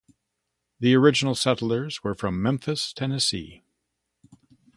The original settlers were from Memphis, Tennessee.